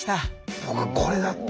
僕これだった。